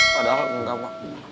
padahal enggak ma